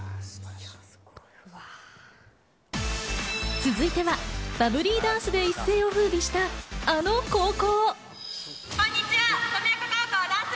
続いてはバブリーダンスで一世を風靡した、あの高校。